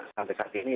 sampai saat ini